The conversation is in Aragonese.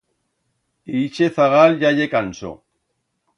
Ixe zagal ya ye canso.